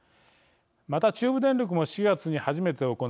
また中部電力も４月に初めて行い